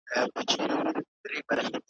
چي بې نصیبه څوک له کتاب دی ,